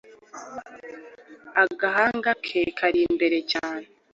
agahanga ke kari imbere cyane